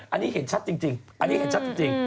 อันนี้เห็นชัดจริงนะฮะ